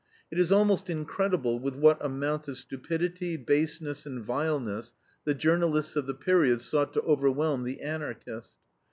It is almost incredible with what amount of stupidity, baseness, and vileness the journalists of the period sought to overwhelm the Anarchist.